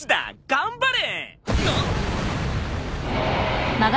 頑張れ。